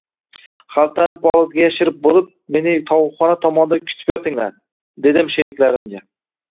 – Xaltani polizga yashirib bo‘lib, meni tovuqxona tomonda kutib yotinglar, – dedim sheriklarimga